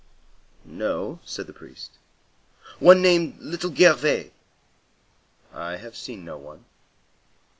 "No," said the priest. "One named Little Gervais?" "I have seen no one."